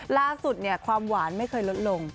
ล่าสุดความหวานไม่เคยลดลง